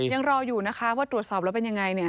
ยังรออยู่นะคะว่าตรวจสอบแล้วเป็นยังไงเนี่ย